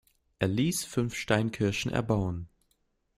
Er ließ fünf Steinkirchen erbauen.